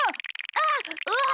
あっうわっ！